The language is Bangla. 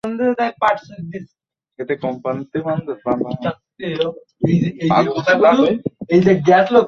এখন আমরা আদালতে আইনি প্রক্রিয়ায় লড়াই করব।